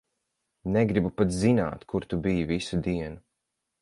Negribu pat zināt, kur tu biji visu dienu.